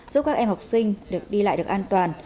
giúp các em học sinh được đi lại được an toàn